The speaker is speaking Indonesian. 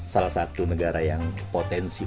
salah satu negara yang potensi